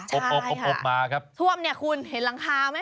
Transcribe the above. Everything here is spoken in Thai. ใช่ค่ะท่วมเนี่ยคุณเห็นหลังคาไหม